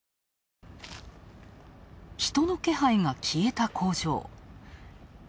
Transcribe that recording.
人の気配が消えた工場。